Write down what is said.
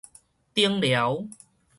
頂寮